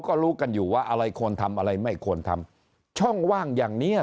ก็รู้กันอยู่ว่าอะไรควรทำอะไรไม่ควรทำช่องว่างอย่างเนี้ย